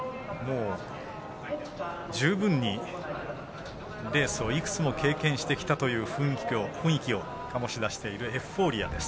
十分にレースをいくつも経験してきた雰囲気を醸し出しているエフフォーリアです。